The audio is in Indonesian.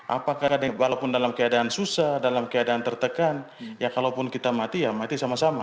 apakah walaupun dalam keadaan susah dalam keadaan tertekan ya kalaupun kita mati ya mati sama sama